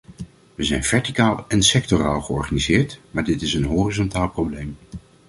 We zijn verticaal en sectoraal georganiseerd, maar dit is een horizontaal probleem.